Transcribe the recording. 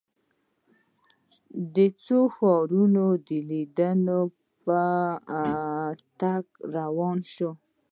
د څو ښارونو لیدنې په تکل روان شوو.